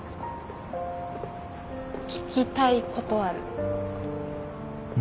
聞きたいことある。